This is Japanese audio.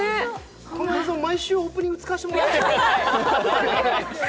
この映像、毎回、オープニングに使わせてもらったら。